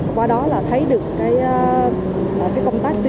qua đó là thấy được cái công tác tuyên truyền của công an quận hải châu